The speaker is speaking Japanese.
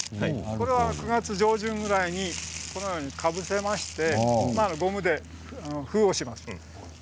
これは９月上旬ぐらいに柿にかぶせましてゴムで封をします。